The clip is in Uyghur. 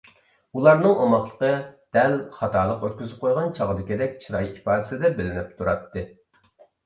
ئۇلارنىڭ ئوماقلىقى دەل خاتالىق ئۆتكۈزۈپ قويغان چاغدىكىدەك چىراي ئىپادىسىدە بىلىنىپ تۇراتتى.